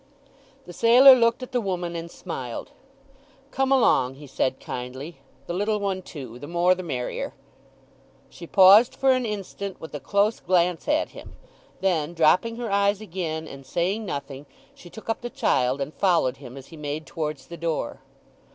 The sailor looked at the woman and smiled. "Come along!" he said kindly. "The little one too—the more the merrier!" She paused for an instant, with a close glance at him. Then dropping her eyes again, and saying nothing, she took up the child and followed him as he made towards the door.